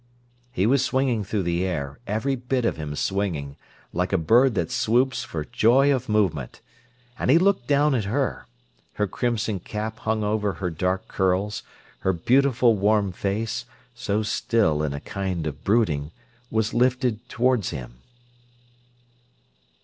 He was swinging through the air, every bit of him swinging, like a bird that swoops for joy of movement. And he looked down at her. Her crimson cap hung over her dark curls, her beautiful warm face, so still in a kind of brooding, was lifted towards him.